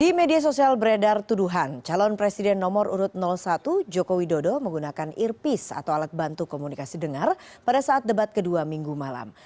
di media sosial beredar tuduhan calon presiden nomor urut satu jokowi dodo menggunakan earpis atau alat bantu komunikasi dengar pada saat debat kedua minggu malam